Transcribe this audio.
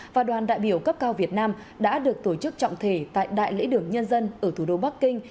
và đoàn đại biểu cấp cao việt nam đã được tổ chức trọng thể tại đại lễ đường nhân dân ở thủ đô bắc kinh